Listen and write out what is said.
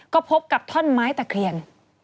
ก็พบกับท่อนไม้ตะเคียน